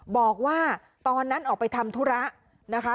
บอกว่าตอนนั้นออกไปทำธุระนะคะ